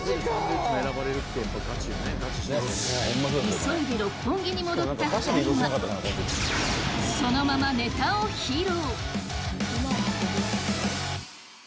急いで六本木に戻った２人はそのままネタを披露！